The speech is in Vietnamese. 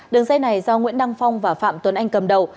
đường dây này do nguyễn đăng phong và phạm tuấn anh cầm đầu